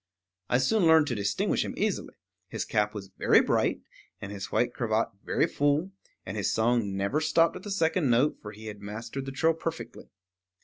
I soon learned to distinguish him easily; his cap was very bright, and his white cravat very full, and his song never stopped at the second note, for he had mastered the trill perfectly.